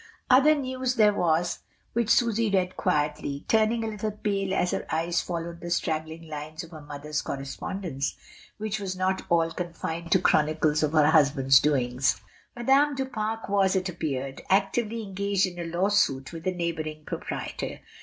Other news there was which Susy read quietly, turning a little pale as her eyes followed the straggling lines of her mother's correspondence, which was not all confined to chronicles of her hus band's doings. Madame du Pare was, it appeared, actively engaged in a lawsuit with a neighbouring proprietor.